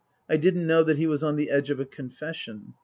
I didn't know that he was on the edge of a confession.